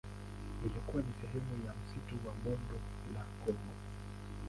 Ilikuwa ni sehemu ya msitu wa Bonde la Kongo.